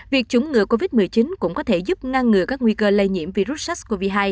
việc chủng ngừa covid một mươi chín cũng có thể giúp ngăn ngừa các nguy cơ lây nhiễm virus sars cov hai